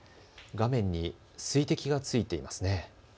画面に水滴がついていますね。